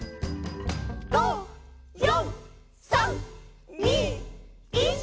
「５、４、３、２、１」